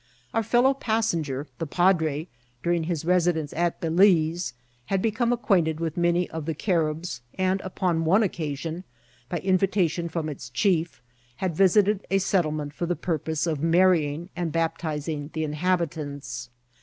Our fellow passenger, the padre, during his residence at Balize, had become acquainted with many of the Caribs, and, upon one occasion, by invitation from its chief, had visited a settlement for the purpose of mar* rying and baptizing the inhabitants.